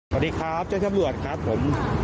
สวัสดีครับเจ้าจำรวจครับผม